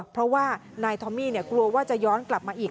เพราะว่านายทอมมี่กลัวว่าจะย้อนกลับมาอีก